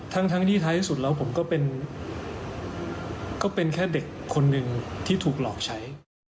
ทั้งที่ท้ายที่สุดแล้วผมก็เป็นแค่เด็กคนหนึ่งที่ถูกหลอกใช้